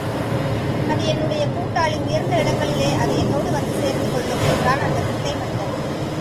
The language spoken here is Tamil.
அது என்னுடைய கூட்டாளி உயர்ந்த இடங்களிலே அது என்னோடு வந்து சேர்ந்து கொள்ளும் என்றான் அந்தக் குட்டை மனிதன்.